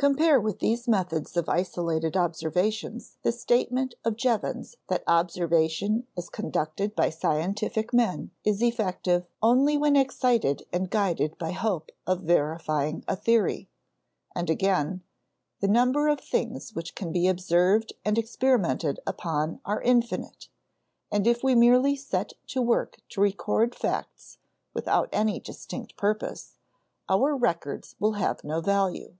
Compare with these methods of isolated observations the statement of Jevons that observation as conducted by scientific men is effective "only when excited and guided by hope of verifying a theory"; and again, "the number of things which can be observed and experimented upon are infinite, and if we merely set to work to record facts without any distinct purpose, our records will have no value."